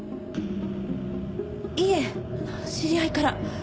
いえ知り合いから。